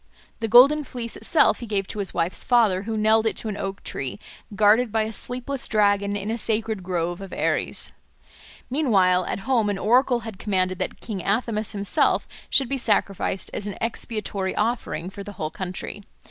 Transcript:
The golden fleece itself he gave to his wife's father, who nailed it to an oak tree, guarded by a sleepless dragon in a sacred grove of Ares. Meanwhile at home an oracle had commanded that King Athamas himself should be sacrificed as an expiatory offering for the whole country.